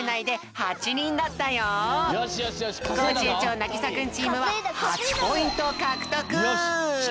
コージ園長なぎさくんチームは８ポイントかくとく！